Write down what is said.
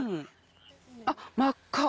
あっ真っ赤。